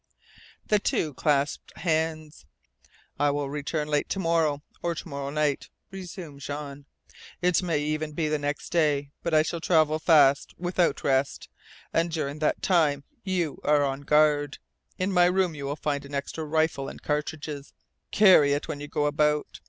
The two clasped hands. "I will return late to morrow, or to morrow night," resumed Jean. "It may even be the next day. But I shall travel fast without rest. And during that time you are on guard. In my room you will find an extra rifle and cartridges. Carry it when you go about.